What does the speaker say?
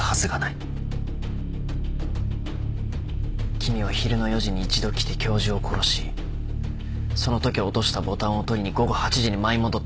君は昼の４時に一度来て教授を殺しそのとき落としたボタンを取りに午後８時に舞い戻った。